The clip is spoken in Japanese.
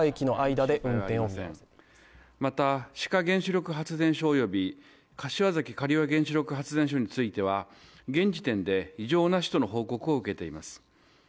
また、志賀原子力発電所および柏崎刈羽原子力発電所においては現時点で異常なしとの報告を受けています。